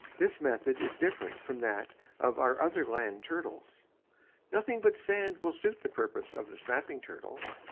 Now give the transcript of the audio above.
This method is different from that of our other land turtles. Nothing but sand will suit the purpose of the snapping turtle.